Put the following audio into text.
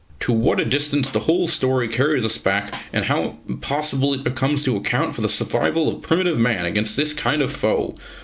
"To what a distance the whole story carries us back, and how impossible it becomes to account for the survival of primitive man against this kind of foe!